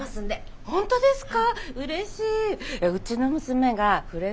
えっ本当ですか！